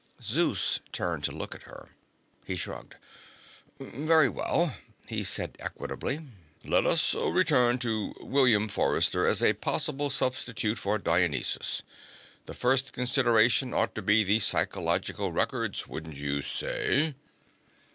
Zeus turned to look at her. He shrugged. "Very well," he said equably. "Let us return to William Forrester, as a possible substitute for Dionysus. The first consideration ought to be the psychological records, wouldn't you say?"